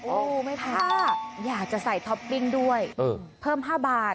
โอ้โหถ้าอยากจะใส่ท็อปปิ้งด้วยเพิ่ม๕บาท